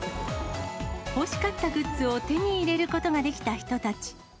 欲しかったグッズを手に入れることができた人たち。